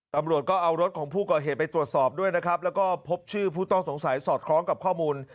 ตำรวจก็เอารถของผู้ก่อเหตุไปตรวจสอบด้วยนะครับแล้วก็พบชื่อผู้ต้องสงสัยสอดคล้องกับข้อมูล